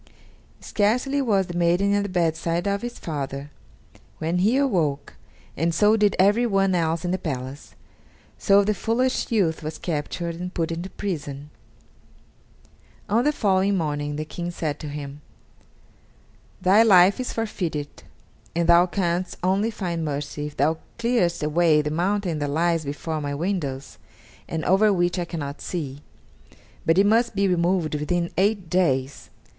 Scarcely was the maiden at the bedside of her father, when he awoke, and so did everyone else in the palace; so the foolish youth was captured and put into prison. On the following morning the King said to him: "Thy life is forfeited, and thou canst only find mercy if thou clearest away the mountain that lies before my windows, and over which I cannot see, but it must be removed within eight days.